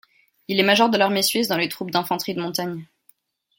Il est major de l'armée suisse dans les troupes d'infanterie de montagne.